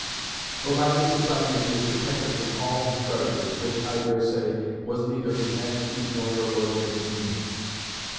For by this assignment he is protected from all his creditors, which (I dare say) was neither his Majesty's nor your Lordship's meaning."